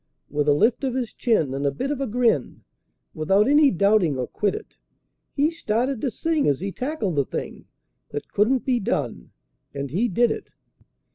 With a lift of his chin and a bit of a grin, Without any doubting or quiddit, He started to sing as he tackled the thing That couldn't be done, and he did it.